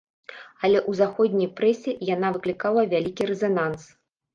Але ў заходняй прэсе яна выклікала вялікі рэзананс.